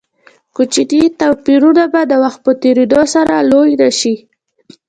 کوچني توپیرونه به د وخت په تېرېدو سره لوی نه شي.